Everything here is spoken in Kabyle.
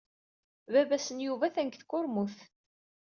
Baba-s n Yuba atan deg tkurmut.